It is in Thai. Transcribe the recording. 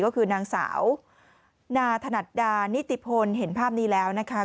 ก็คือนางสาวนาธนัดดานิติพลเห็นภาพนี้แล้วนะคะ